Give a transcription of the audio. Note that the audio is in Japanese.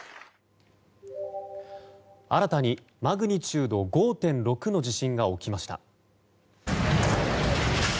新たにマグニチュード５．６の地震が起きました。